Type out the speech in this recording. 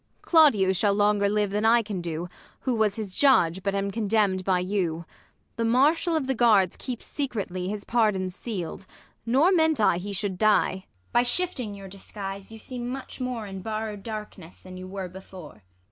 Claudio shall longer live than I can d.o, AVho was his judge, but am condemn'd by you. The martial of tlie guards keeps secretly His pardon seal'd ; nor meant I he should die. ISAB. By shifting your disguise, you seem much more In borrow 'd darkness than you were before.